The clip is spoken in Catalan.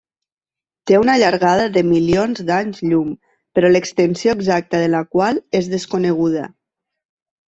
Té una llargada de milions d'anys llum, però l'extensió exacta de la qual és desconeguda.